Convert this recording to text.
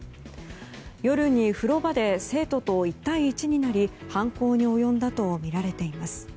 夜に風呂場で生徒と１対１になり犯行に及んだとみられています。